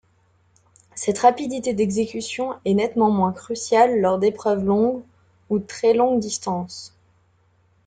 Cette rapidité d’exécution est nettement moins cruciale lors d’épreuves longue ou très longue distance.